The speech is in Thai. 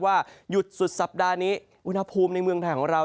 ว่าหยุดสุดสัปดาห์นี้อุณหภูมิในเมืองไทยของเรา